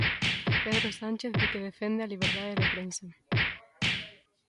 Pedro Sánchez di que defende a liberdade de prensa.